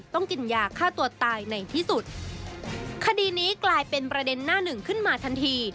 กินยาฆ่าตัวตายในที่สุดคดีนี้กลายเป็นประเด็นหน้าหนึ่งขึ้นมาทันที